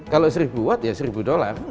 kalau seribu watt ya seribu dolar